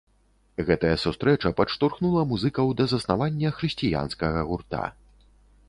Гэтая сустрэча падштурхнула музыкаў да заснавання хрысціянскага гурта.